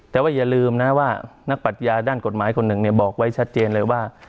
แต่ว่าอย่าลืมนะว่านักปรัชญาด้านกฎหมายคนหนึ่งบอกไว้ชัดเจนเลยว่า